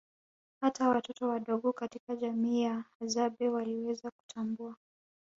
Hata watoto wadogo katika jamii ya hadzabe waliweza kutambua